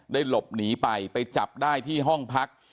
หลบหนีไปไปจับได้ที่ห้องพัก